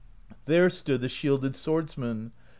There stood the shielded swordsmen.